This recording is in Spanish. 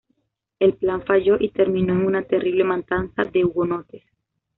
El plan falló y terminó en una terrible matanza de hugonotes.